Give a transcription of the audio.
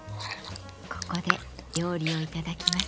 ここで料理を頂きます。